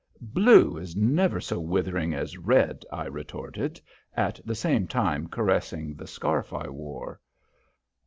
"Blue is never so withering as red," I retorted, at the same time caressing the scarf I wore.